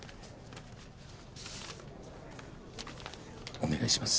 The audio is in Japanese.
お願いします。